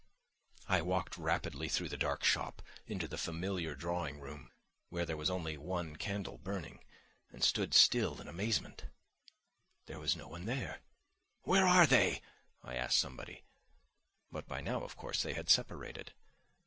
I walked rapidly through the dark shop into the familiar drawing room, where there was only one candle burning, and stood still in amazement: there was no one there. "Where are they?" I asked somebody. But by now, of course, they had separated.